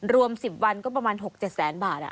รวม๑๐วันก็ประมาณ๖๗แสนบาท